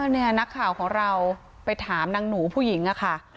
นี่นักข่าวของเราไปถามนางหนูผู้หญิงอะค่ะ